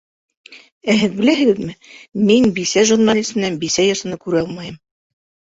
Ә һеҙ беләһегеҙме, мин бисә журналист менән бисә йырсыны күрә алмайым!